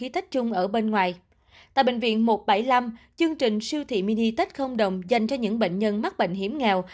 tại bệnh viện một trăm bảy mươi năm chương trình siêu thị mini tết không đồng dành cho những bệnh nhân mắc bệnh hiểm nghèo